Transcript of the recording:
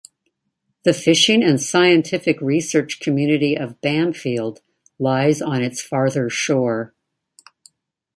The fishing and scientific research community of Bamfield lies on its farther shore.